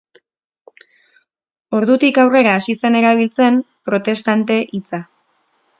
Ordutik aurrera hasi zen erabiltzen protestante hitza.